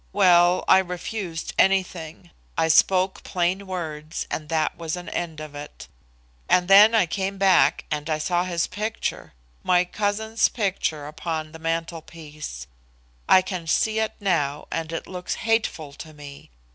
Well, I refused anything. I spoke plain words, and that was an end of it. And then I came back and I saw his picture, my cousin's picture, upon the mantelpiece. I can see it now and it looks hateful to me.